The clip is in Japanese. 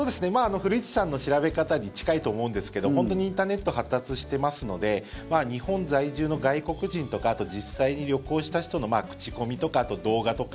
古市さんの調べ方に近いと思うんですけど本当にインターネット発達してますので日本在住の外国人とか実際に旅行した人の口コミとかあと動画とか。